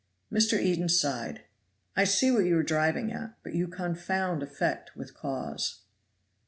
Mr. Eden sighed: "I see what you are driving at; but you confound effect with cause."